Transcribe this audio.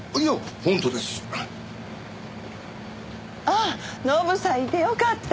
あっノブさんいてよかった。